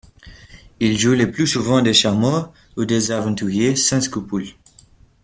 Il joue le plus souvent des charmeurs ou des aventuriers sans scrupules.